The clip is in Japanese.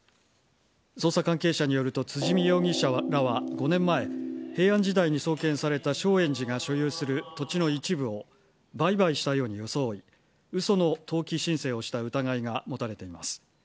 捜査関係者によると辻見容疑者らは５年前平安時代に創建された正圓寺が所有する土地の一部を売買したように装い嘘の登記申請をした疑いが持たれています。